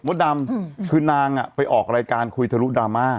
ดำคือนางไปออกรายการคุยทะลุดราม่า